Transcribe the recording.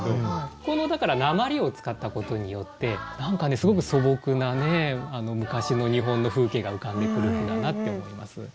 このだからなまりを使ったことによって何かねすごく素朴なね昔の日本の風景が浮かんでくる句だなって思います。